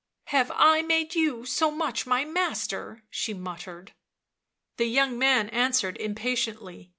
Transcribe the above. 77 " Have I made you so much my master V 1 she muttered. The young man answered impatiently.